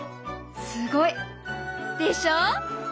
すごい！でしょ？